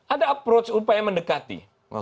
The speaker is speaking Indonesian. ada approach upaya mendekati